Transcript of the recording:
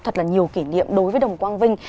thật là nhiều kỷ niệm đối với đồng quang vinh